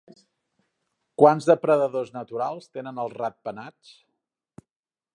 Quants depredadors naturals tenen els ratpenats?